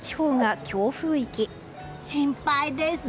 心配です。